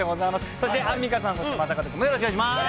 そしてアンミカさん、また正門君もよろしくお願いします。